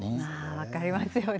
分かりますよね。